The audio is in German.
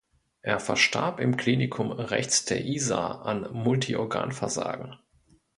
Er verstarb im Klinikum rechts der Isar an Multiorganversagen.